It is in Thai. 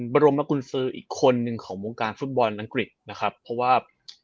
บรมนกุญซืออีกคนนึงของวงการฟุตบอลอังกฤษนะครับเพราะว่า